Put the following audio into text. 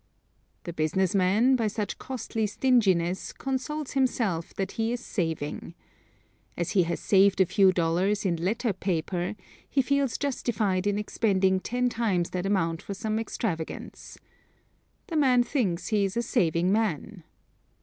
The business man, by such costly stinginess, consoles himself that he is saving. As he has saved a few dollars in letter paper, he feels justified in expending ten times that amount for some extravagance. The man thinks he is a saving man.